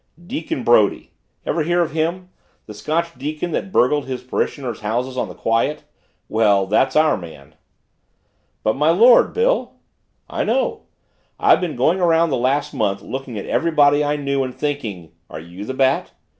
Deacon Brodie ever hear of him the Scotch deacon that burgled his parishioners' houses on the quiet? Well that's our man." "But my Lord, Bill " "I know. I've been going around the last month, looking at everybody I knew and thinking are you the Bat?